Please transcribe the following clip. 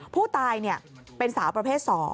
ผู้ตายเป็นสาวประเภท๒